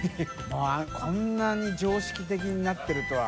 發こんなに常識的になってるとは。